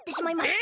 え！